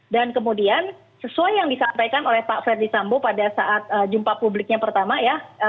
dan kemudian sesuai yang disampaikan oleh pak ferdisambo pada saat jumpa publiknya pertama ya